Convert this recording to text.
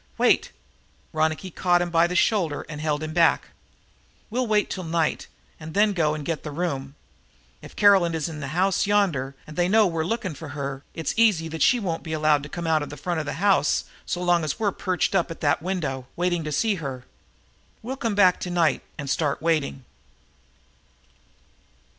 "Wait!" Ronicky caught him by the shoulder and held him back. "We'll wait till night and then go and get that room. If Caroline is in the house yonder, and they know we're looking for her, it's easy that she won't be allowed to come out the front of the house so long as we're perched up at the window, waiting to see her. We'll come back tonight and start waiting."